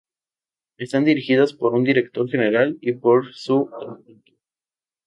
Están dirigidas por un Director General y por su Adjunto.